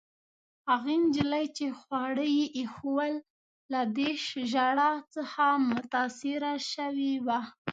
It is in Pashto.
هغې نجلۍ، چي خواړه يې ایښوول، له دې ژړا څخه متاثره شوې وه.